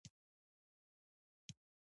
غیر مولد انحصار باید خصوصي لاسونو ته ولویږي.